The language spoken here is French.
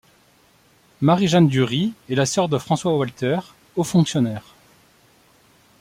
Marie-Jeanne Durry est la sœur de François Walter, haut fonctionnaire.